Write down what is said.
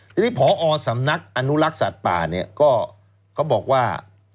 ทีนี้ผอสำนักอนุลักษณ์สัตว์ป่าก็บอกว่า